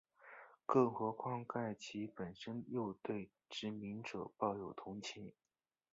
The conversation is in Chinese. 更何况盖奇本身又对殖民者抱有同情。